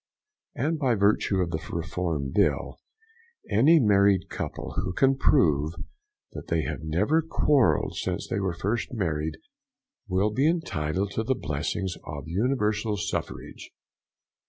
And by virtue of the Reform Bill, any married couple who can prove that they have never quarrelled since they were first married, will be entitled to the blessings of universal suffrage.